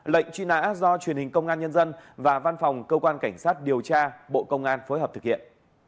lệnh truy nã do truyền hình công an nhân dân và văn phòng cơ quan cảnh sát điều tra bộ công an phối hợp thực hiện